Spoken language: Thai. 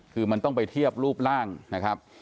คือมันต้องไปเทียบรูปร่างนะครับ